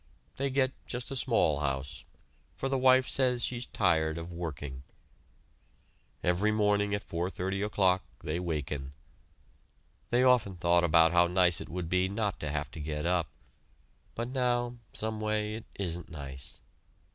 They get just a small house, for the wife says she's tired of working. Every morning at 4.30 o'clock they waken. They often thought about how nice it would be not to have to get up; but now, someway it isn't nice.